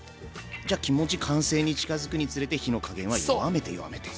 じゃ気持ち完成に近づくにつれて火の加減は弱めて弱めて。